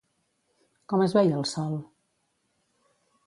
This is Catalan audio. Com es veia el sol?